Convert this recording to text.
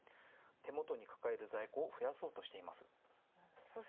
手元に抱える在庫を増やそうとしています。